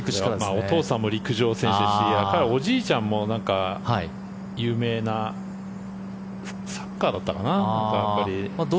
お父さんも陸上選手ですしおじいちゃんも有名なサッカーだったかな？